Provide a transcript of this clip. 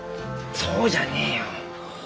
そうじゃねえよ。